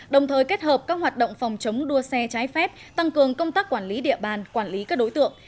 đồng thời kết hợp các hoạt động phòng chống đua xe trái phép tăng cường công tác quản lý địa bàn quản lý các đối tượng